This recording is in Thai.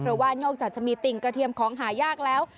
เพราะว่านอกจากจะมีติ่งกระเทียมของหายากแล้ว